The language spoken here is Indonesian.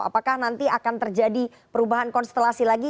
apakah nanti akan terjadi perubahan konstelasi lagi